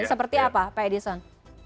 seperti apa pak edison